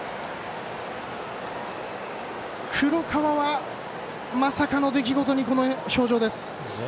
黒川は、まさかの出来事にこの表情。